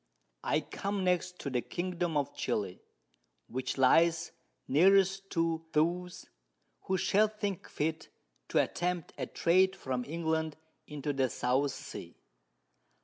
_] I come next to the Kingdom of Chili, which lies nearest to those who shall think fit to attempt a Trade from England into the South Sea.